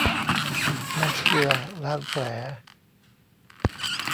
น้ำเกลือล้างแผล